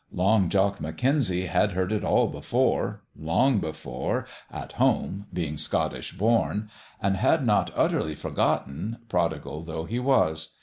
Long Jock McKenzie had heard it all before long before, at home, being Scottish born and had not utterly forgotten, prodigal though he was.